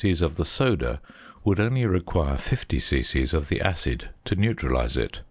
of the soda would only require 50 c.c. of the acid to neutralise it.